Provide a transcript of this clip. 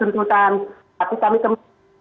yang sudah terpenuhi dengan hukuman